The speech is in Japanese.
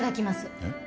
えっ。